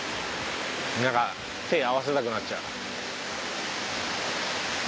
なんか手合わせたくなっちゃう。